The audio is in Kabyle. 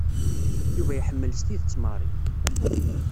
Yuba iḥemmel s tidet Mary.